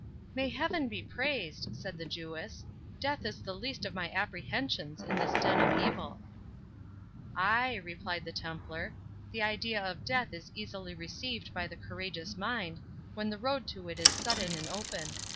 "May Heaven be praised!" said the Jewess; "death is the least of my apprehensions in this den of evil." "Ay," replied the Templar, "the idea of death is easily received by the courageous mind, when the road to it is sudden and open.